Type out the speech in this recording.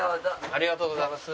ありがとうございます。